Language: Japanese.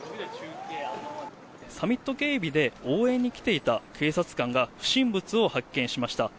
サミット警備で応援に来ていた警察官が不審物を発見しました。